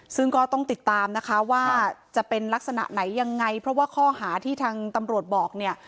ซึ่งก็ต้องติดตามนะคะว่าจะเป็นลักษณะไหนยังไงเพราะว่าข้อหาที่ทางตำรวจบอกเนี่ย